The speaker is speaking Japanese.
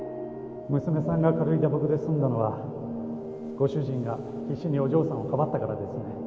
娘さんが軽い打撲で済んだのはご主人が必死にお嬢さんをかばったからですね